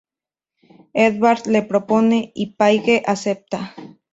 Edvard le propone y Paige acepta.